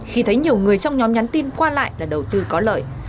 khi thấy nhiều người trong nhóm nhắn tin qua lại là đầu tư có lợi